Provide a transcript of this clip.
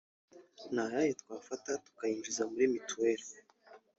ni ayahe twafata tukayinjiza muri mituweli